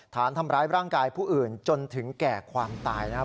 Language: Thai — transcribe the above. ฐานทำร้ายร่างกายผู้อื่นจนถึงแก่ความตายนะครับ